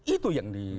itu yang di